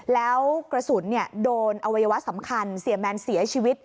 แล้วกระสุนโดนอวัยวะสำคัญเสียแมนเสียชีวิต